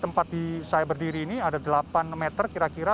tempat saya berdiri ini ada delapan meter kira kira